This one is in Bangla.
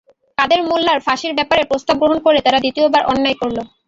কাদের মোল্লার ফঁসির ব্যাপারে প্রস্তাব গ্রহণ করে তারা দ্বিতীয়বার অন্যায় করল।